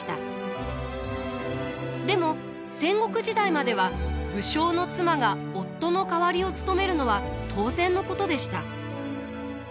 でも戦国時代までは武将の妻が夫の代わりを務めるのは当然のことでした。